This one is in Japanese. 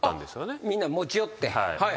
みんな持ち寄って。